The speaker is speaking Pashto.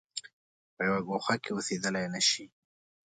په یوه ګوښه کې اوسېدلای نه شي.